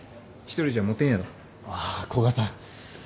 あっ古賀さん。